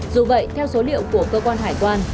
dù vậy theo số liệu của cơ quan hải quan